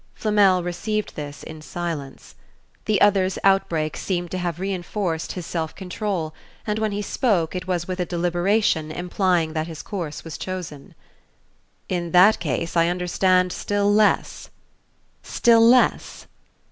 Flamel received this in silence. The other's outbreak seemed to have reinforced his self control, and when he spoke it was with a deliberation implying that his course was chosen. "In that case I understand still less " "Still less